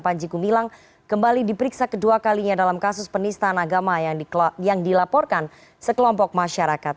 panji gumilang kembali diperiksa kedua kalinya dalam kasus penistaan agama yang dilaporkan sekelompok masyarakat